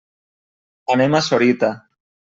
Anem a Sorita.